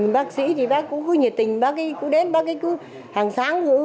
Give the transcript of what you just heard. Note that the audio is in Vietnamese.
bác sĩ thì bác cũng cứ nhiệt tình bác ấy cứ đến bác ấy cứ hàng sáng nữa